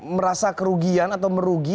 merasa kerugian atau merugi